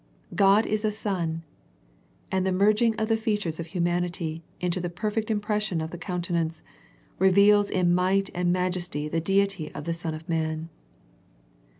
" God is a sun," and the merging of the features of humanity into the perfect impression of the countenance, reveals in might and majesty the Deity of the Son of man.